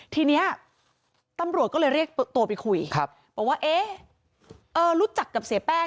ทีนี้ตำรวจก็เลยเรียกตัวไปคุยบอกว่าเอ๊ะรู้จักกับเสียแป้ง